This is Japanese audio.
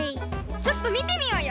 ちょっとみてみようよ！